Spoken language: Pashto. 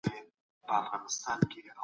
د حقوقو ټولنپوهنه د قانون او ټولنې اړیکه ده.